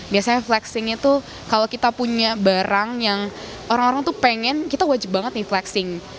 biasanya flexingnya tuh kalau kita punya barang yang orang orang tuh pengen kita wajib banget nih flexing